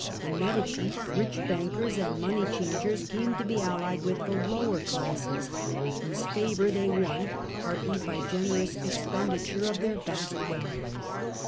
The Medici, rich bankers and money changers, came to be allied with the lower classes, whose favour they won partly by generous expendi ture of their vast wealth.